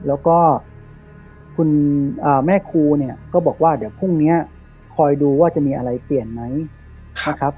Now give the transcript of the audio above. แล้วก็คุณแม่ครูเนี่ยก็บอกว่าเดี๋ยวพรุ่งนี้คอยดูว่าจะมีอะไรเปลี่ยนไหมนะครับ